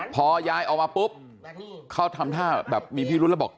พอย้ายออกมาปุ๊บเขาทำท่าแบบมีพิรุธแล้วบอก